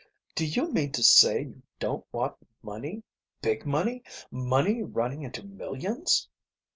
"Do you mean to say you don't want money, big money, money running into millions?